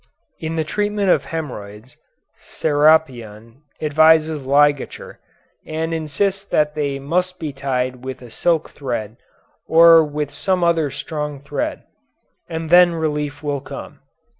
In the treatment of hemorrhoids Serapion advises ligature and insists that they must be tied with a silk thread or with some other strong thread, and then relief will come.